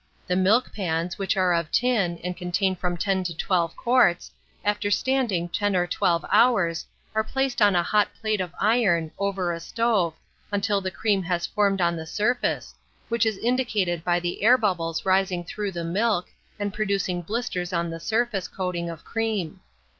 The milk pans, which are of tin, and contain from 10 to 12 quarts, after standing 10 or 12 hours, are placed on a hot plate of iron, over a stove, until the cream has formed on the surface, which is indicated by the air bubbles rising through the milk, and producing blisters on the surface coating of cream.